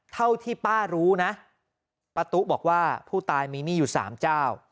เท่าที่ป้ารู้นะป้าตุ๊บอกว่าผู้ตายมีหนี้อยู่๓เจ้า